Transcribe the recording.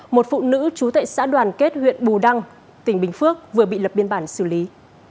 một phụ nữ trú tại xã đoàn kết huyện bù đăng tỉnh bình phước vừa bị lập biên bản xử lý